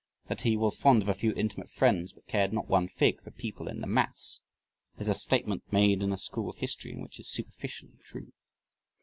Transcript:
That he "was fond of a few intimate friends, but cared not one fig for people in the mass," is a statement made in a school history and which is superficially true.